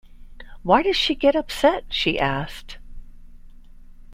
“Why does she get upset?” she asked.